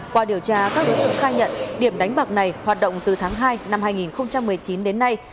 qua điều tra các đối tượng khai nhận điểm đánh bạc này hoạt động từ tháng hai năm hai nghìn một mươi chín đến nay